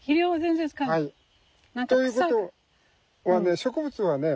植物はね